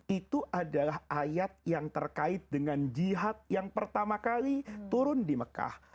itu adalah ayat yang terkait dengan jihad yang pertama kali turun di mekah